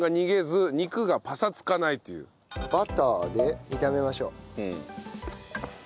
バターで炒めましょう。